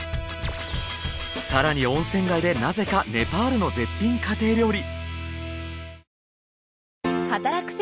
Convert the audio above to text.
更に温泉街でなぜかネパールの絶品家庭料理。